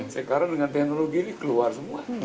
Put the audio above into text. sekarang dengan teknologi ini keluar semua